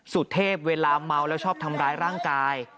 สุเทพเวลาเมาแล้วชอบทำร้ายร่างกาย